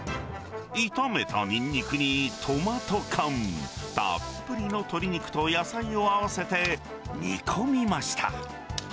炒めたニンニクにトマト缶、たっぷりの鶏肉と野菜を合わせて煮込みました。